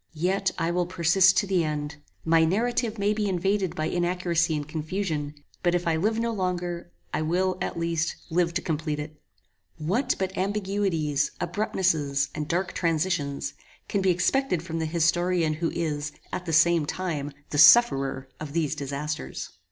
Yet I will persist to the end. My narrative may be invaded by inaccuracy and confusion; but if I live no longer, I will, at least, live to complete it. What but ambiguities, abruptnesses, and dark transitions, can be expected from the historian who is, at the same time, the sufferer of these disasters?